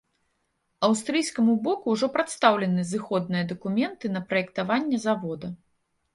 Аўстрыйскаму боку ўжо прадастаўлены зыходныя дакументы на праектаванне завода.